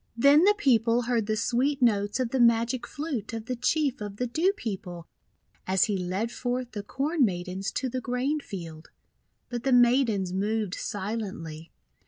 Then the people heard the sweet notes of the magic flute of the Chief of the Dew People as he led forth the Corn Maidens to the grain field. But the Maidens moved silently.